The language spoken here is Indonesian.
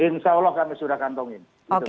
insya allah kami sudah kantongin